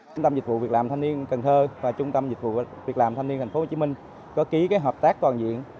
trung tâm dịch vụ việc làm thanh niên cần thơ và trung tâm dịch vụ việc làm thanh niên tp hcm có ký hợp tác toàn diện